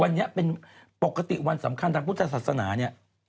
วันนี้เป็นปกติวันสำคัญทางพุทธศาสนาเนี่ย